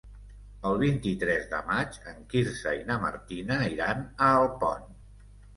El vint-i-tres de maig en Quirze i na Martina iran a Alpont.